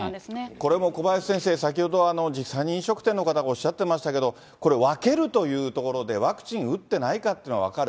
これも、小林先生、先ほど実際に飲食店の方がおっしゃってましたけど、これ、分けるというところでワクチン打ってない方というのが分かる。